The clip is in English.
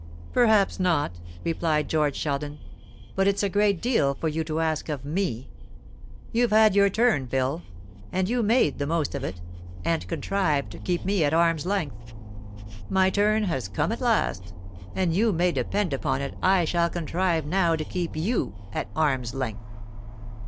"Perhaps not," replied George Sheldon; "but it's a great deal for you to ask of me. You've had your turn, Phil; and you made the most of it, and contrived to keep me at arm's length. My turn has come at last, and you may depend upon it I shall contrive now to keep you at arm's length."